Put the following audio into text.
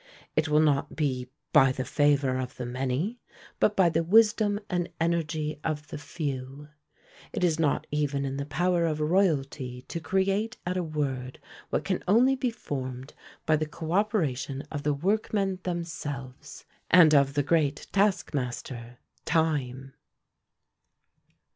It will not be "by the favour of the MANY, but by the wisdom and energy of the FEW." It is not even in the power of royalty to create at a word what can only be formed by the co operation of the workmen themselves, and of the great taskmaster, Time!